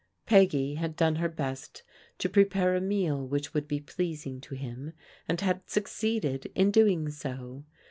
\^ Peggy had done her best to prepare a meal which would be pleasing to him, and had succeeded in doing so.